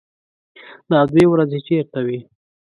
_دا دوې ورځې چېرته وې؟